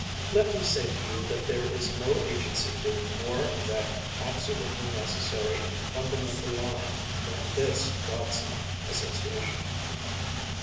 Let me say to you that there is no agency doing more in that absolutely necessary and fundamental line than this God sent association.